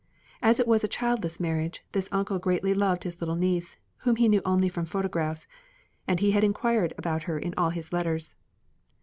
As it was a childless marriage, this uncle greatly loved his little niece, whom he knew only from photographs, and he had inquired about her in all his letters.